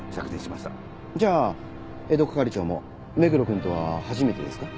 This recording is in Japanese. じゃあ江戸係長も目黒くんとは初めてですか？